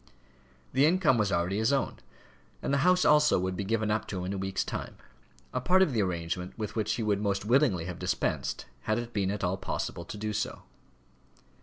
The income was already his own; and the house also would be given up to him in a week's time a part of the arrangement with which he would most willingly have dispensed had it been at all possible to do so.